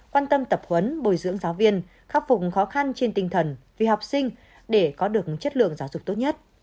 quan tâm tập huấn bồi dưỡng giáo viên khắc phục khó khăn trên tinh thần vì học sinh để có được chất lượng giáo dục tốt nhất